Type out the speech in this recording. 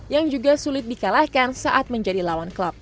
yang juga sulit dikalahkan saat menjadi lawan klub